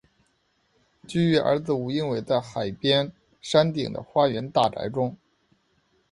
居于儿子吴英伟在海边山顶的花园大宅中。